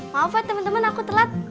maaf ya temen temen aku telat